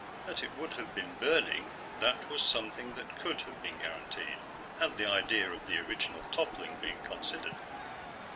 That it would have been burning that was something that could have been guaranteed, had the idea of the original toppling been considered.